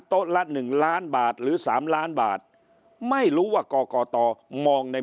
โต๊ะละหนึ่งล้านบาทหรือสามล้านบาทไม่รู้ว่าก่อก่อต่อมองใน